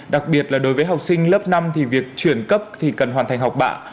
đặc biệt là đối với học sinh lớp năm thì việc chuyển cấp thì cần hoàn thành học bạ